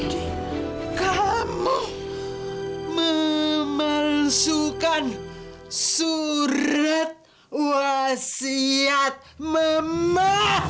jadi kamu memalsukan surat wasiat mama